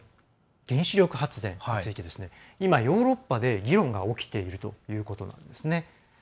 発電の中の原子力発電について今、ヨーロッパで議論が起きているということなんですね。